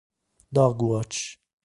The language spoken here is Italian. Dog Watch